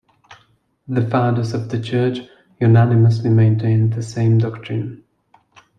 The Fathers of the Church unanimously maintained the same doctrine.